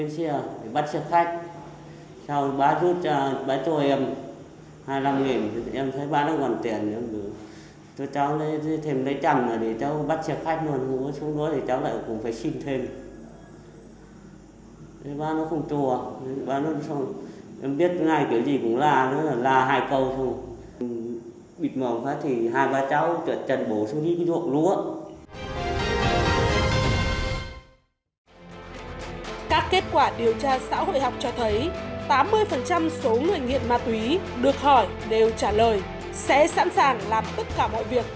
các kết quả điều tra xã hội học cho thấy tám mươi số người nghiện ma túy được hỏi đều trả lời sẽ sẵn sàng làm tất cả mọi việc